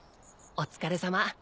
お疲れさま。